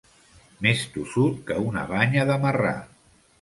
Més tossut que una banya de marrà.